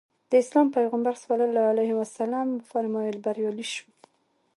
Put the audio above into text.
د اسلام پیغمبر ص وفرمایل بریالی شو.